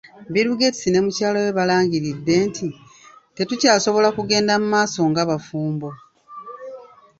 Bill Gates ne mukyala we balangiridde nti,”Tetukyasobola kugenda mu maaso ng'abafumbo.”